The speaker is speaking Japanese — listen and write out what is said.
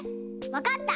わかった！